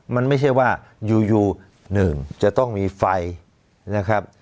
มันไม่ใช่ว่าอยู่หนึ่งจะต้องมีไฟนะครับ